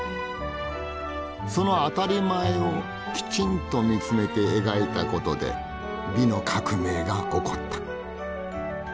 その当たり前をきちんと見つめて描いたことで「美の革命」が起こった。